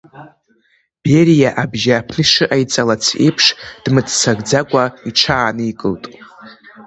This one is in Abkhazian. Бериа абжьааԥны ишыҟаиҵалац еиԥш, дрыцымцакәа иҽааникылт.